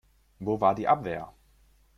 Wo war die Abwehr?